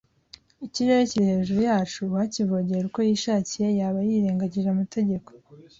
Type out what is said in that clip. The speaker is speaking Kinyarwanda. Ikirere kiri hejuru yacu, uwakivogera uko yishakiye yaba yirengagije amategeko